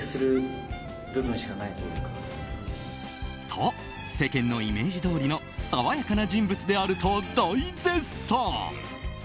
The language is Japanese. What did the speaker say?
と、世間のイメージどおりの爽やかな人物であると大絶賛。